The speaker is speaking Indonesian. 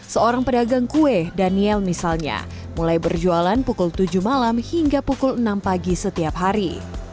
seorang pedagang kue daniel misalnya mulai berjualan pukul tujuh malam hingga pukul enam pagi setiap hari